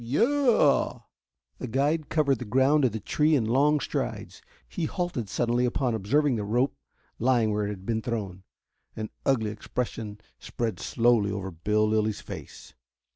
"Ya a a a." The guide covered the ground to the tree in long strides. He halted suddenly upon observing the rope lying where it had been thrown. An ugly expression spread slowly over Bill Lilly's face.